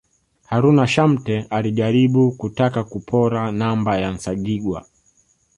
Haruna Shamte alijaribu kutaka kupora namba ya Nsajigwa